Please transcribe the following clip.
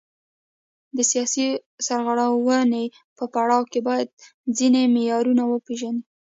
د سیاسي سرغړونې په پړاو کې باید ځینې معیارونه وپیژنو.